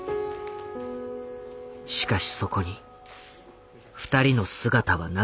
しかしそこに２人の姿はなかった。